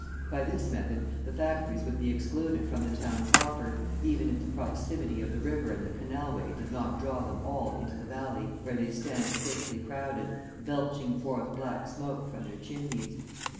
By this method, the factories would be excluded from the town proper, even if the proximity of the river and the canal way did not draw them all into the valley where they stand thickly crowded, belching forth black smoke from their chimneys.